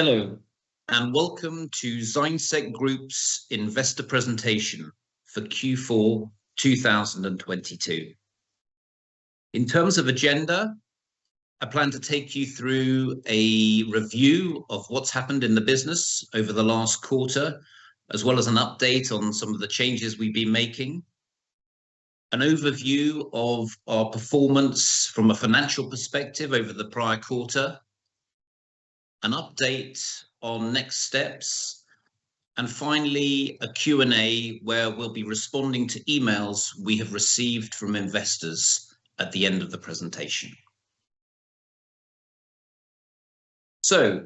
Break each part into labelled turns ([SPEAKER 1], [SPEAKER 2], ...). [SPEAKER 1] Hello, and welcome to ZignSec Group's investor presentation for Q4 2022. In terms of agenda, I plan to take you through a review of what's happened in the business over the last quarter, as well as an update on some of the changes we've been making, an overview of our performance from a financial perspective over the prior quarter, an update on next steps, and finally, a Q&A where we'll be responding to emails we have received from investors at the end of the presentation.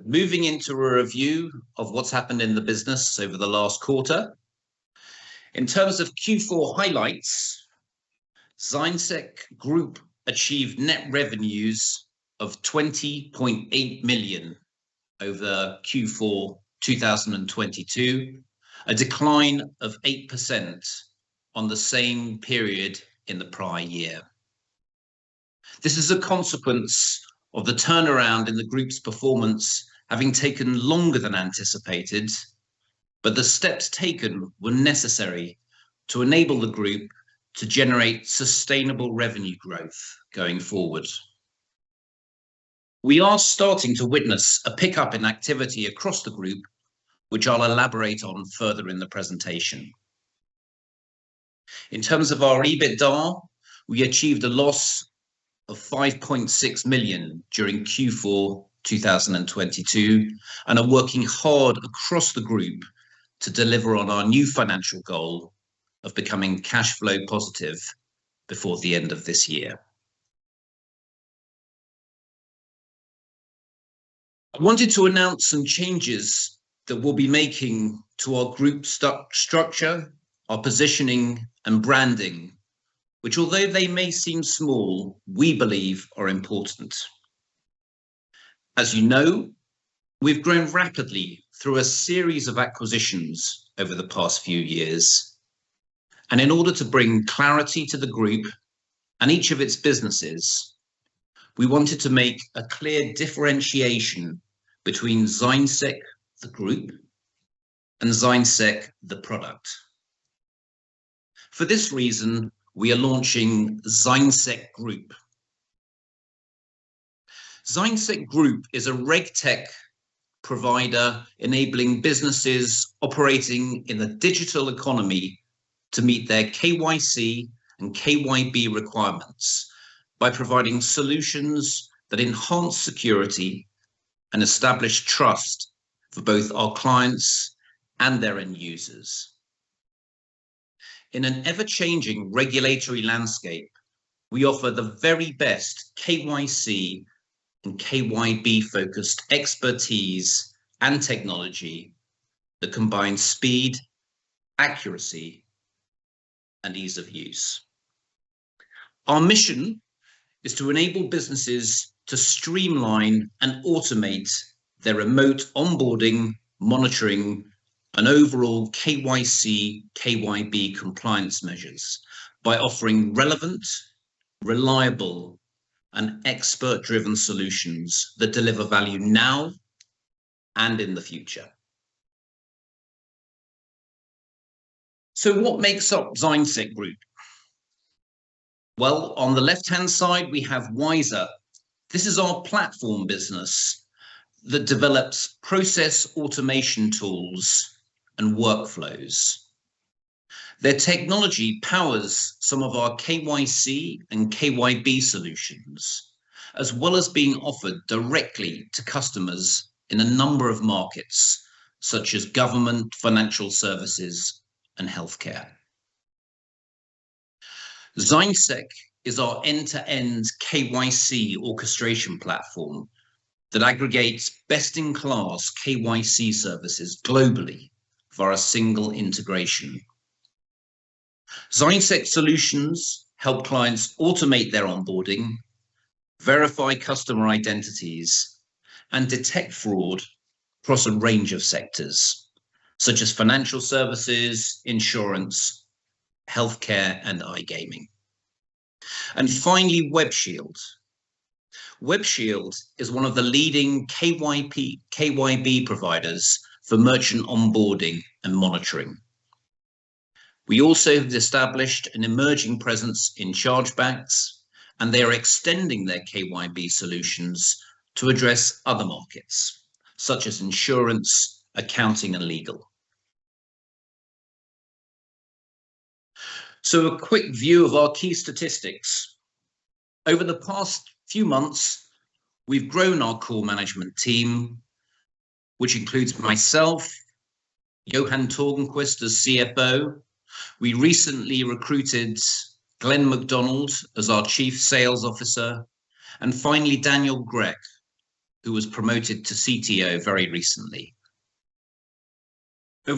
[SPEAKER 1] Moving into a review of what's happened in the business over the last quarter. In terms of Q4 highlights, ZignSec Group achieved net revenues of 20.8 million over Q4 2022, a decline of 8% on the same period in the prior year. This is a consequence of the turnaround in the group's performance having taken longer than anticipated, but the steps taken were necessary to enable the group to generate sustainable revenue growth going forward. We are starting to witness a pickup in activity across the group, which I'll elaborate on further in the presentation. In terms of our EBITDA, we achieved a loss of 5.6 million during Q4 2022, and are working hard across the group to deliver on our new financial goal of becoming cash flow positive before the end of this year. I wanted to announce some changes that we'll be making to our group structure, our positioning and branding, which although they may seem small, we believe are important. As you know, we've grown rapidly through a series of acquisitions over the past few years, and in order to bring clarity to the group and each of its businesses, we wanted to make a clear differentiation between ZignSec, the group, and ZignSec, the product. For this reason, we are launching ZignSec Group. ZignSec Group is a RegTech provider, enabling businesses operating in the digital economy to meet their KYC and KYB requirements by providing solutions that enhance security and establish trust for both our clients and their end users. In an ever-changing regulatory landscape, we offer the very best KYC and KYB-focused expertise and technology that combines speed, accuracy, and ease of use. Our mission is to enable businesses to streamline and automate their remote onboarding, monitoring, and overall KYC, KYB compliance measures by offering relevant, reliable, and expert-driven solutions that deliver value now and in the future. What makes up ZignSec Group? Well, on the left-hand side, we have Wyzer. This is our platform business that develops process automation tools and workflows. Their technology powers some of our KYC and KYB solutions, as well as being offered directly to customers in a number of markets such as government, financial services, and healthcare. ZignSec is our end-to-end KYC orchestration platform that aggregates best-in-class KYC services globally for a single integration. ZignSec solutions help clients automate their onboarding, verify customer identities, and detect fraud across a range of sectors such as financial services, insurance, healthcare, and iGaming. Finally, Web Shield. Web Shield is one of the leading KYB providers for merchant onboarding and monitoring. We also have established an emerging presence in chargebacks, and they are extending their KYB solutions to address other markets such as insurance, accounting, and legal. A quick view of our key statistics. Over the past few months, we've grown our core management team, which includes myself, Johan Törnqvist, as CFO. We recently recruited Glenn MacDonald as our Chief Sales Officer, and finally, Daniel Grech, who was promoted to CTO very recently. We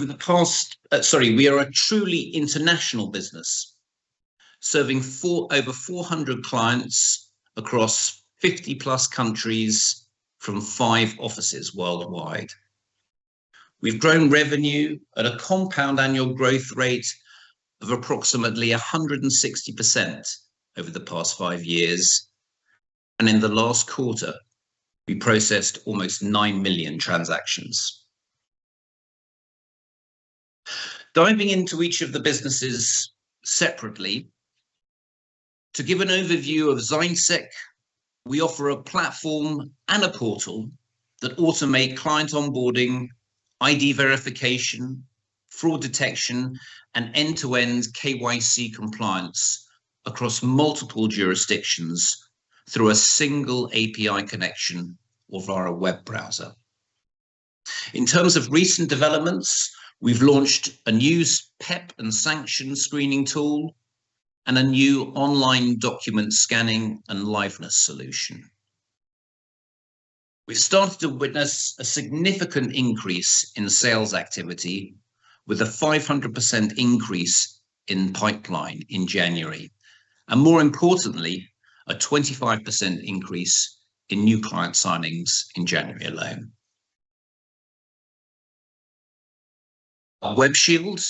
[SPEAKER 1] are a truly international business, serving over 400 clients across 50+ countries from five offices worldwide. We've grown revenue at a compound annual growth rate of approximately 160% over the past five years, and in the last quarter, we processed almost 9 million transactions. Diving into each of the businesses separately, to give an overview of ZignSec, we offer a platform and a portal that automate client onboarding, ID verification, fraud detection, and end-to-end KYC compliance across multiple jurisdictions through a single API connection or via a web browser. In terms of recent developments, we've launched a new PEP and sanction screening tool, and a new online document scanning and liveness solution. We started to witness a significant increase in sales activity with a 500% increase in pipeline in January. More importantly, a 25% increase in new client signings in January alone. Web Shield,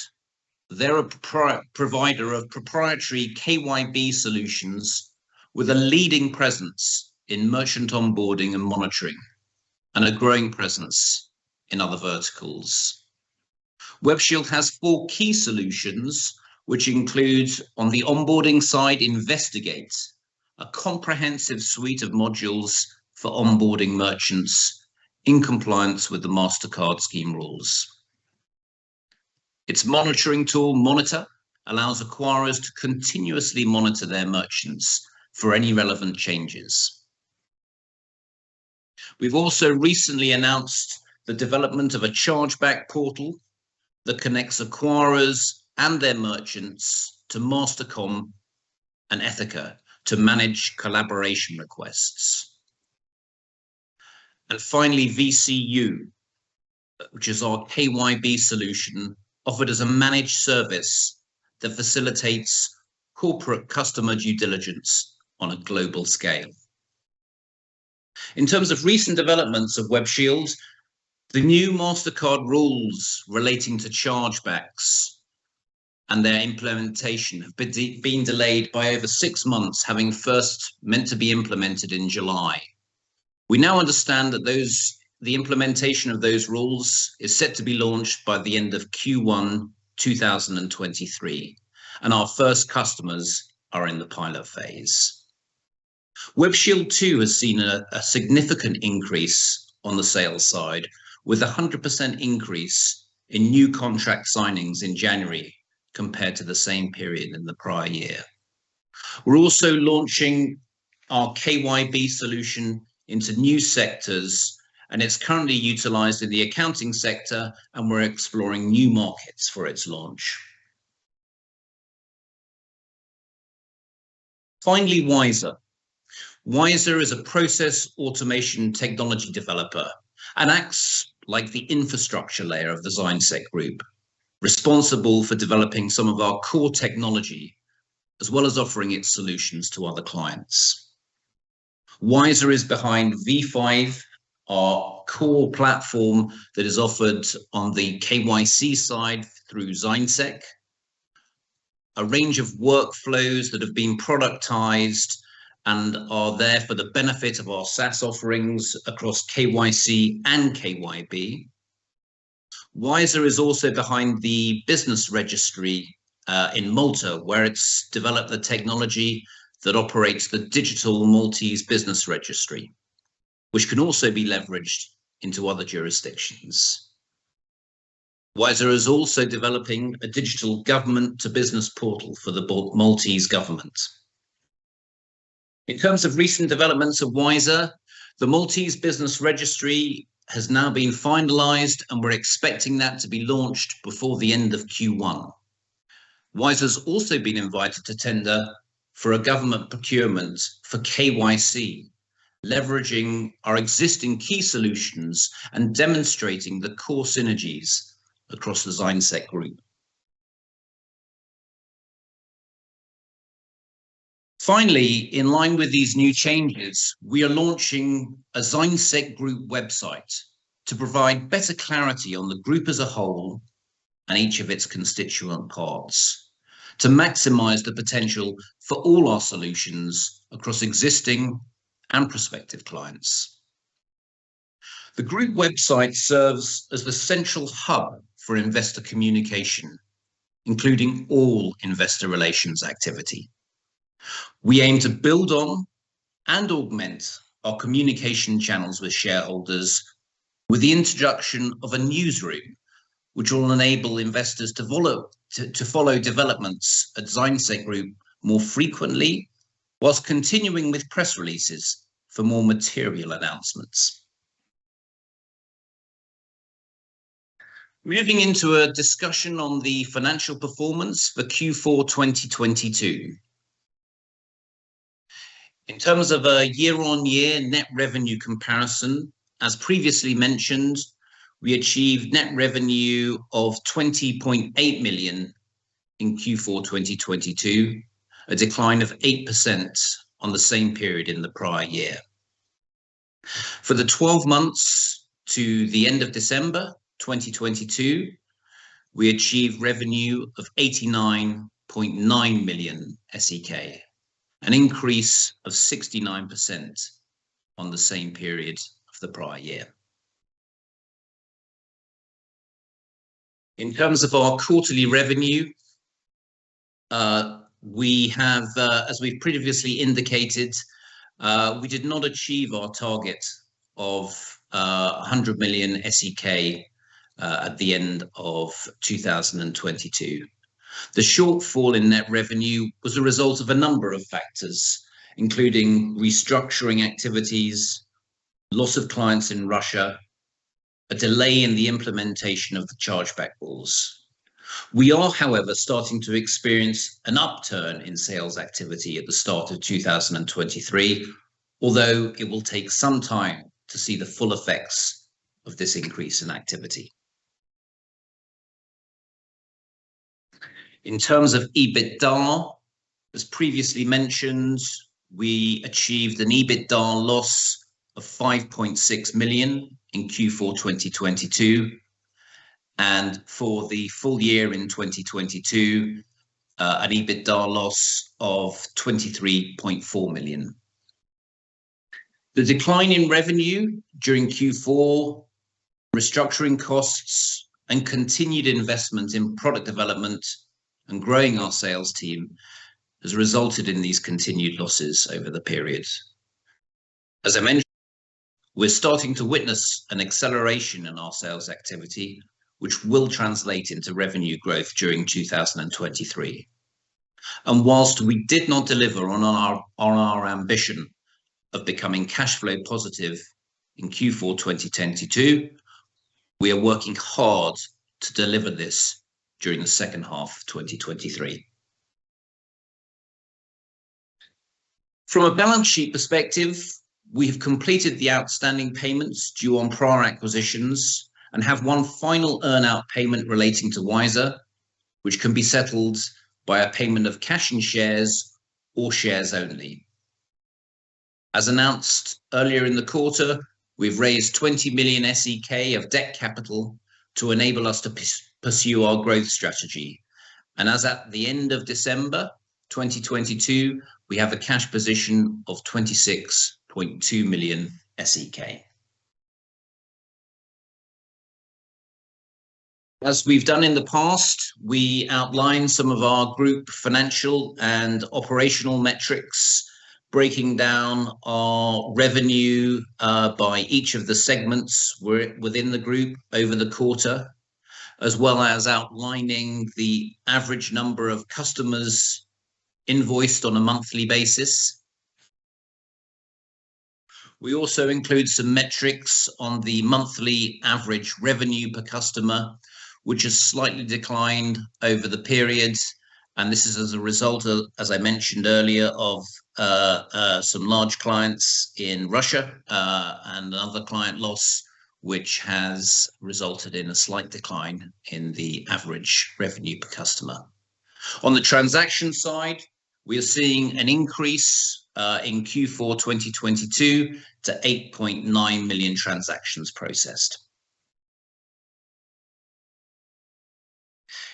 [SPEAKER 1] they're a pro-provider of proprietary KYB solutions with a leading presence in merchant onboarding and monitoring, and a growing presence in other verticals. Web Shield has four key solutions, which include, on the onboarding side, InvestiGate, a comprehensive suite of modules for onboarding merchants in compliance with the Mastercard scheme rules. Its monitoring tool, Monitor, allows acquirers to continuously monitor their merchants for any relevant changes. We've also recently announced the development of a chargeback portal that connects acquirers and their merchants to Mastercom and Ethoca to manage collaboration requests. Finally, VCU, which is our KYB solution, offered as a managed service that facilitates corporate customer due diligence on a global scale. In terms of recent developments of Web Shield, the new Mastercard rules relating to chargebacks and their implementation have been delayed by over six months, having first meant to be implemented in July. We now understand that the implementation of those rules is set to be launched by the end of Q1 2023, and our first customers are in the pilot phase. Web Shield too has seen a significant increase on the sales side, with a 100% increase in new contract signings in January compared to the same period in the prior year. We're also launching our KYB solution into new sectors, and it's currently utilized in the accounting sector, and we're exploring new markets for its launch. Finally, Wyzer. Wyzer is a process automation technology developer and acts like the infrastructure layer of the ZignSec Group, responsible for developing some of our core technology as well as offering its solutions to other clients. Wyzer is behind v5, our core platform that is offered on the KYC side through ZignSec, a range of workflows that have been productized and are there for the benefit of our SaaS offerings across KYC and KYB. Wyzer is also behind the business registry in Malta, where it's developed the technology that operates the digital Maltese business registry, which can also be leveraged into other jurisdictions. Wyzer is also developing a digital government to business portal for the Maltese government. In terms of recent developments of Wyzer, the Maltese business registry has now been finalized, and we're expecting that to be launched before the end of Q1. Wyzer's also been invited to tender for a government procurement for KYC, leveraging our existing key solutions and demonstrating the core synergies across the ZignSec Group. In line with these new changes, we are launching a ZignSec Group website to provide better clarity on the group as a whole and each of its constituent parts to maximize the potential for all our solutions across existing and prospective clients. The group website serves as the central hub for investor communication, including all investor relations activity. We aim to build on and augment our communication channels with shareholders with the introduction of a newsroom, which will enable investors to follow developments at ZignSec Group more frequently whilst continuing with press releases for more material announcements. Moving into a discussion on the financial performance for Q4 2022. In terms of a year-on-year net revenue comparison, as previously mentioned, we achieved net revenue of 20.8 million in Q4 2022, a decline of 8% on the same period in the prior year. For the 12 months to the end of December 2022, we achieved revenue of 89.9 million SEK, an increase of 69% on the same period of the prior year. In terms of our quarterly revenue, we have, as we previously indicated, we did not achieve our target of 100 million SEK at the end of 2022. The shortfall in net revenue was a result of a number of factors, including restructuring activities, loss of clients in Russia, a delay in the implementation of the chargeback rules. We are, however, starting to experience an upturn in sales activity at the start of 2023, although it will take some time to see the full effects of this increase in activity. In terms of EBITDA, as previously mentioned, we achieved an EBITDA loss of 5.6 million in Q4 2022, and for the full year in 2022, an EBITDA loss of 23.4 million. The decline in revenue during Q4, restructuring costs, and continued investments in product development and growing our sales team has resulted in these continued losses over the period. As I mentioned, we're starting to witness an acceleration in our sales activity, which will translate into revenue growth during 2023. Whilst we did not deliver on our ambition of becoming cash flow positive in Q4 2022, we are working hard to deliver this during the second half of 2023. From a balance sheet perspective, we have completed the outstanding payments due on prior acquisitions, and have one final earn-out payment relating to Wyzer, which can be settled by a payment of cash and shares or shares only. As announced earlier in the quarter, we've raised 20 million SEK of debt capital to enable us to pursue our growth strategy. As at the end of December 2022, we have a cash position of 26.2 million SEK. As we've done in the past, we outlined some of our group financial and operational metrics, breaking down our revenue by each of the segments within the group over the quarter, as well as outlining the average number of customers invoiced on a monthly basis. We also include some metrics on the monthly average revenue per customer, which has slightly declined over the period, and this is as a result of, as I mentioned earlier, of some large clients in Russia and other client loss, which has resulted in a slight decline in the average revenue per customer. On the transaction side, we're seeing an increase in Q4 2022 to 8.9 million transactions processed.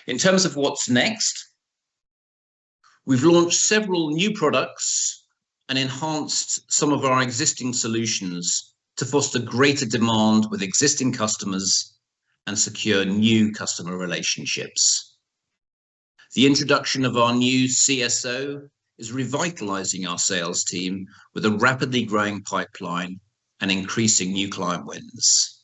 [SPEAKER 1] In terms of what's next, we've launched several new products and enhanced some of our existing solutions to foster greater demand with existing customers and secure new customer relationships. The introduction of our new CSO is revitalizing our sales team with a rapidly growing pipeline and increasing new client wins.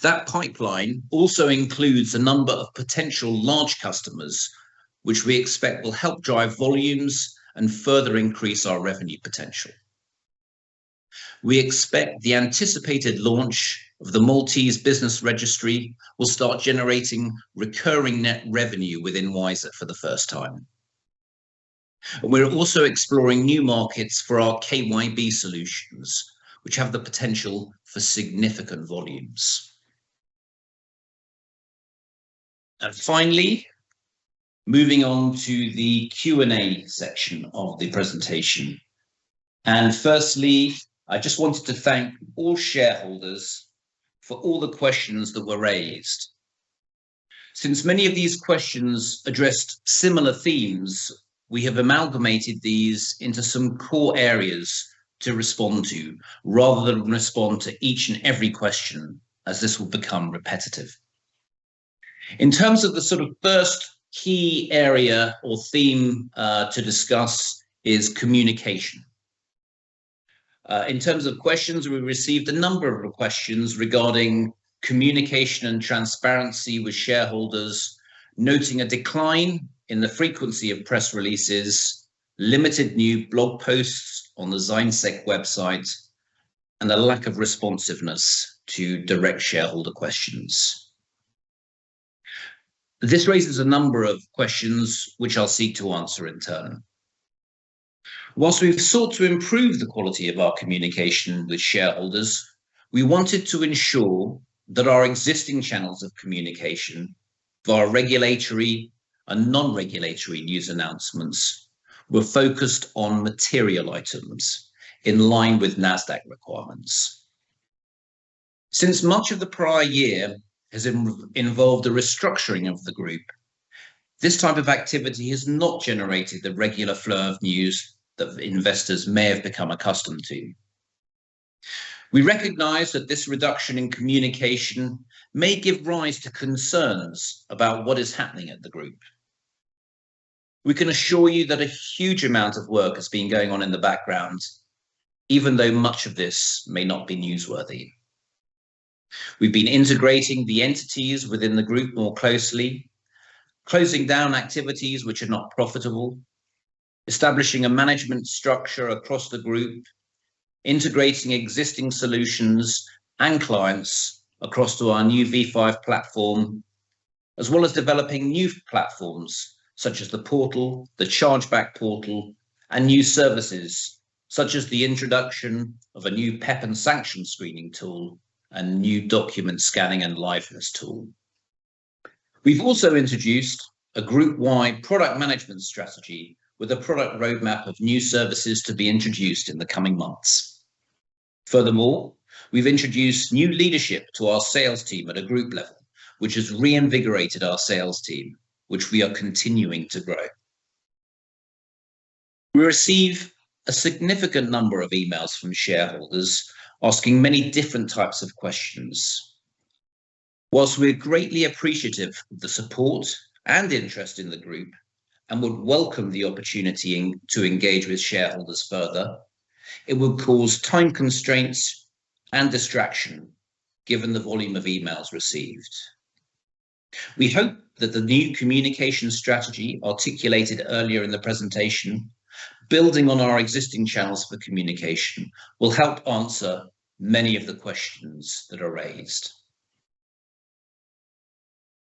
[SPEAKER 1] That pipeline also includes a number of potential large customers, which we expect will help drive volumes and further increase our revenue potential. We expect the anticipated launch of the Maltese business registry will start generating recurring net revenue within Wyzer for the first time. We're also exploring new markets for our KYB solutions, which have the potential for significant volumes. Finally, moving on to the Q&A section of the presentation. Firstly, I just wanted to thank all shareholders for all the questions that were raised. Since many of these questions addressed similar themes, we have amalgamated these into some core areas to respond to rather than respond to each and every question, as this will become repetitive. In terms of the sort of first key area or theme, to discuss is communication. In terms of questions, we received a number of questions regarding communication and transparency with shareholders, noting a decline in the frequency of press releases, limited new blog posts on the ZignSec website, and a lack of responsiveness to direct shareholder questions. This raises a number of questions which I'll seek to answer in turn. Whilst we've sought to improve the quality of our communication with shareholders, we wanted to ensure that our existing channels of communication, via regulatory and non-regulatory news announcements, were focused on material items in line with Nasdaq requirements. Since much of the prior year has involved the restructuring of the Group, this type of activity has not generated the regular flow of news that investors may have become accustomed to. We recognize that this reduction in communication may give rise to concerns about what is happening at the Group. We can assure you that a huge amount of work has been going on in the background, even though much of this may not be newsworthy. We've been integrating the entities within the group more closely, closing down activities which are not profitable, establishing a management structure across the group, integrating existing solutions and clients across to our new v5 platform, as well as developing new platforms such as the portal, the chargeback portal, and new services such as the introduction of a new PEP and sanction screening tool, and new document scanning and liveness tool. We've also introduced a group-wide product management strategy with a product roadmap of new services to be introduced in the coming months. Furthermore, we've introduced new leadership to our sales team at a group level, which has reinvigorated our sales team, which we are continuing to grow. We receive a significant number of emails from shareholders asking many different types of questions. While we're greatly appreciative of the support and interest in the group and would welcome the opportunity to engage with shareholders further, it would cause time constraints and distraction given the volume of emails received. We hope that the new communication strategy articulated earlier in the presentation, building on our existing channels for communication, will help answer many of the questions that are raised.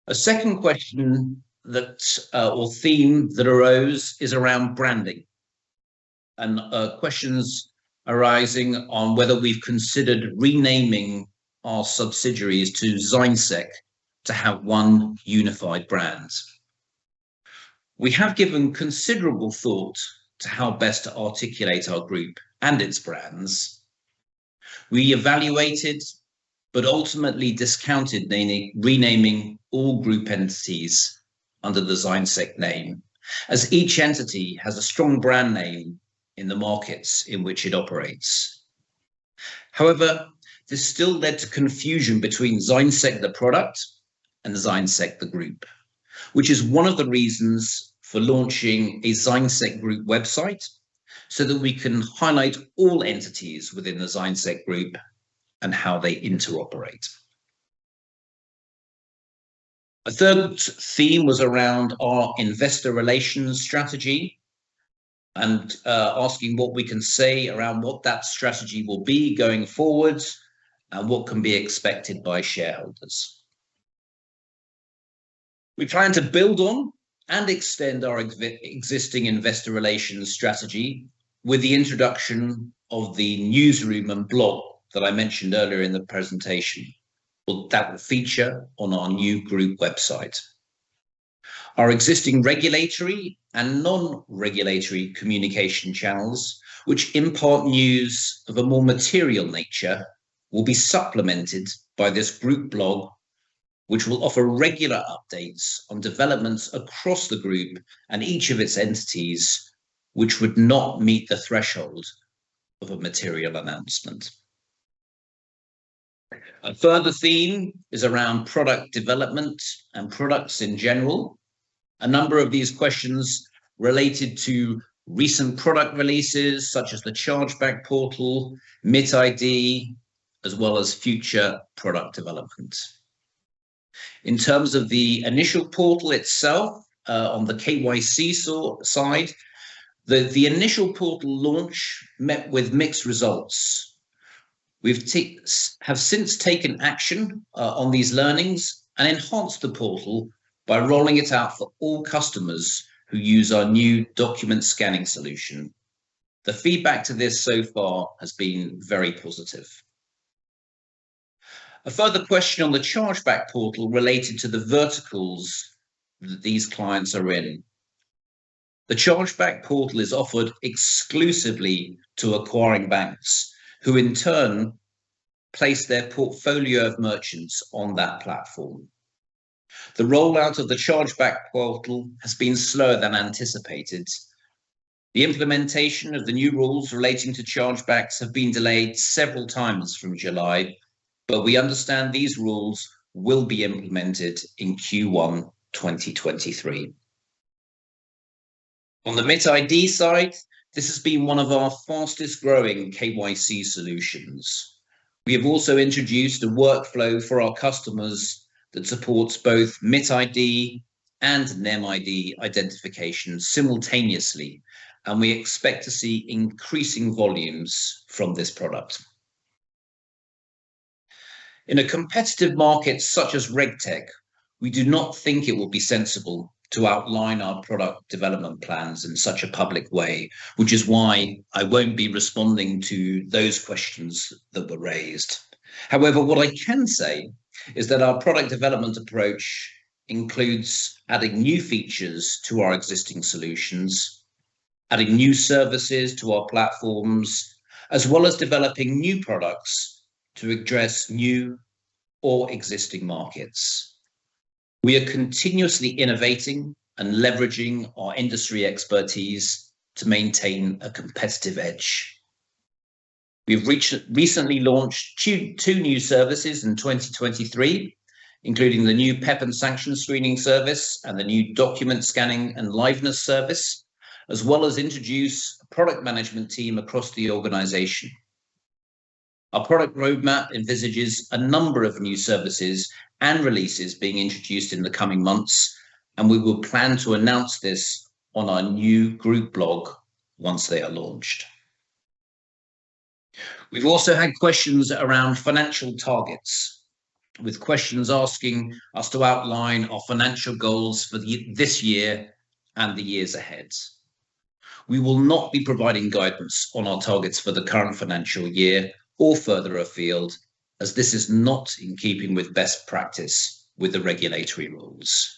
[SPEAKER 1] A second question that or theme that arose is around branding and questions arising on whether we've considered renaming our subsidiaries to ZignSec to have one unified brand. We have given considerable thought to how best to articulate our group and its brands. We evaluated, but ultimately discounted renaming all group entities under the ZignSec name, as each entity has a strong brand name in the markets in which it operates. This still led to confusion between ZignSec the product and ZignSec the group, which is one of the reasons for launching a ZignSec Group website, so that we can highlight all entities within the ZignSec Group and how they interoperate. A third theme was around our investor relations strategy and asking what we can say around what that strategy will be going forwards and what can be expected by shareholders. We plan to build on and extend our existing investor relations strategy with the introduction of the newsroom and blog that I mentioned earlier in the presentation, that will feature on our new group website. Our existing regulatory and non-regulatory communication channels, which impart news of a more material nature, will be supplemented by this group blog, which will offer regular updates on developments across the group and each of its entities, which would not meet the threshold of a material announcement. Further theme is around product development and products in general. A number of these questions related to recent product releases such as the chargeback portal, MitID, as well as future product development. In terms of the initial portal itself, on the KYC side, the initial portal launch met with mixed results. We've since taken action on these learnings and enhanced the portal by rolling it out for all customers who use our new document scanning solution. The feedback to this so far has been very positive. A further question on the chargeback portal related to the verticals that these clients are in. The chargeback portal is offered exclusively to acquiring banks, who in turn place their portfolio of merchants on that platform. The rollout of the chargeback portal has been slower than anticipated. The implementation of the new rules relating to chargebacks have been delayed several times from July, but we understand these rules will be implemented in Q1 2023. On the MitID side, this has been one of our fastest growing KYC solutions. We have also introduced a workflow for our customers that supports both MitID and NemID identification simultaneously, and we expect to see increasing volumes from this product. In a competitive market such as RegTech, we do not think it will be sensible to outline our product development plans in such a public way, which is why I won't be responding to those questions that were raised. However, what I can say is that our product development approach includes adding new features to our existing solutions, adding new services to our platforms, as well as developing new products to address new or existing markets. We are continuously innovating and leveraging our industry expertise to maintain a competitive edge. We've recently launched two new services in 2023, including the new PEP and sanction screening service and the new document scanning and liveness service, as well as introduce a product management team across the organization. Our product roadmap envisages a number of new services and releases being introduced in the coming months. We will plan to announce this on our new group blog once they are launched. We've also had questions around financial targets, with questions asking us to outline our financial goals for this year and the years ahead. We will not be providing guidance on our targets for the current financial year or further afield, as this is not in keeping with best practice with the regulatory rules.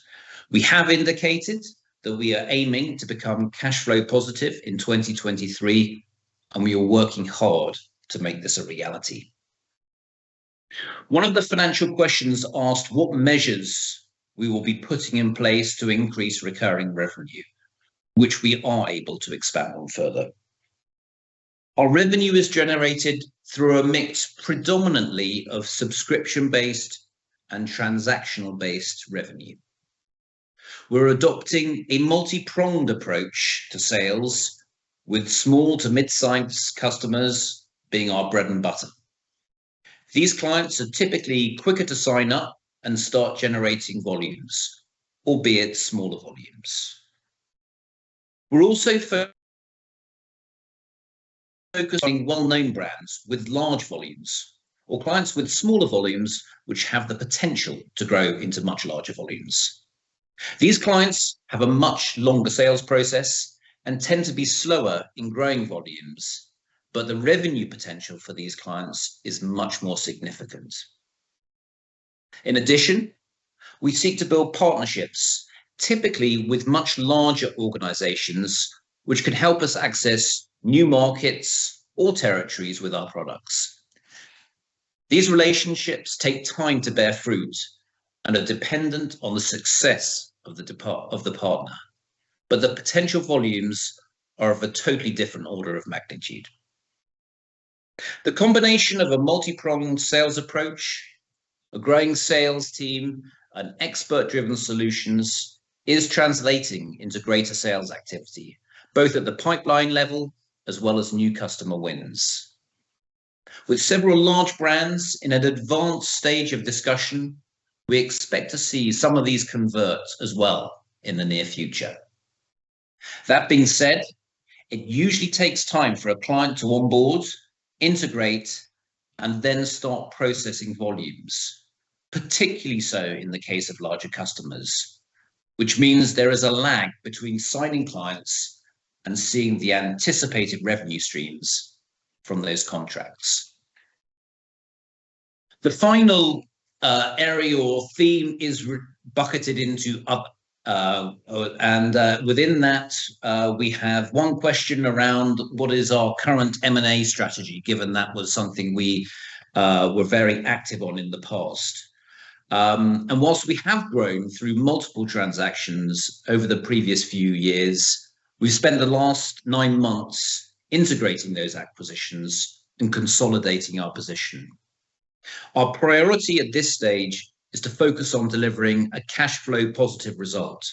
[SPEAKER 1] We have indicated that we are aiming to become cash flow positive in 2023. We are working hard to make this a reality. One of the financial questions asked what measures we will be putting in place to increase recurring revenue, which we are able to expand on further. Our revenue is generated through a mix predominantly of subscription-based and transactional-based revenue. We're adopting a multipronged approach to sales, with small to mid-size customers being our bread and butter. These clients are typically quicker to sign up and start generating volumes, albeit smaller volumes. We're also focusing well-known brands with large volumes or clients with smaller volumes which have the potential to grow into much larger volumes. These clients have a much longer sales process and tend to be slower in growing volumes, the revenue potential for these clients is much more significant. In addition, we seek to build partnerships, typically with much larger organizations, which can help us access new markets or territories with our products. These relationships take time to bear fruit and are dependent on the success of the partner, but the potential volumes are of a totally different order of magnitude. The combination of a multipronged sales approach, a growing sales team, and expert-driven solutions is translating into greater sales activity, both at the pipeline level as well as new customer wins. With several large brands in an advanced stage of discussion, we expect to see some of these convert as well in the near future. That being said, it usually takes time for a client to onboard, integrate, and then start processing volumes, particularly so in the case of larger customers, which means there is a lag between signing clients and seeing the anticipated revenue streams from those contracts. The final area or theme is bucketed into and within that, we have one question around what is our current M&A strategy, given that was something we were very active on in the past. Whilst we have grown through multiple transactions over the previous few years, we've spent the last nine months integrating those acquisitions and consolidating our position. Our priority at this stage is to focus on delivering a cash flow positive result,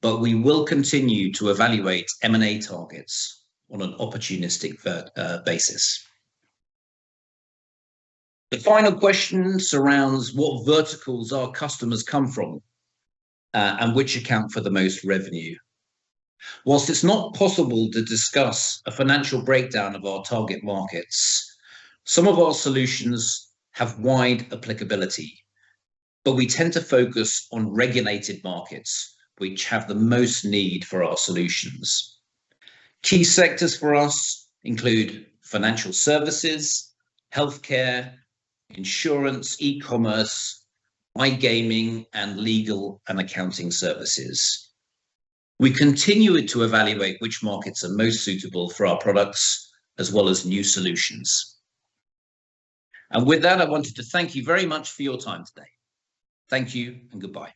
[SPEAKER 1] but we will continue to evaluate M&A targets on an opportunistic basis. The final question surrounds what verticals our customers come from and which account for the most revenue. Whilst it's not possible to discuss a financial breakdown of our target markets, some of our solutions have wide applicability, but we tend to focus on regulated markets which have the most need for our solutions. Key sectors for us include financial services, healthcare, insurance, e-commerce, iGaming, and legal and accounting services. We continue to evaluate which markets are most suitable for our products as well as new solutions. With that, I wanted to thank you very much for your time today. Thank you and goodbye.